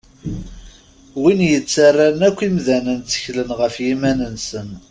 Win yettaran akk imdanen tteklen ɣef yiman-nsen.